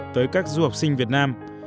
tới các du học sinh việt nam